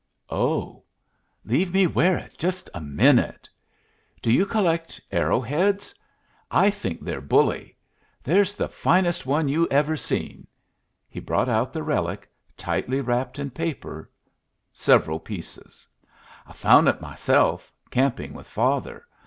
"Oh, leave me wear it just a minute! Do you collect arrow heads? I think they're bully. There's the finest one you ever seen." He brought out the relic, tightly wrapped in paper, several pieces. "I foun' it myself, camping with father.